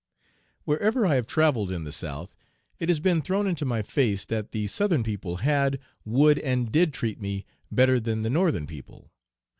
Wherever I have travelled in the South it has been thrown into my face that the Southern people had, would, and did treat me better than the Northern people.